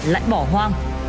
lại bỏ hoang